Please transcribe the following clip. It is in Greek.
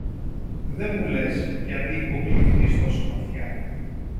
Δε μου λες, γιατί υποκλίθηκες τόσο βαθιά